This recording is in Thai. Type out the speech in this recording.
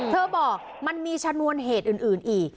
บอกมันมีชนวนเหตุอื่นอีก